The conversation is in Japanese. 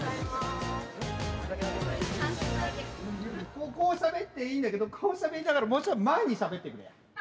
ここをしゃべっていいんだけどこうしゃべりながらもうちょっと前にしゃべってくれや。